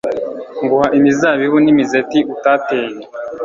nguha imizabibu n'imizeti utateye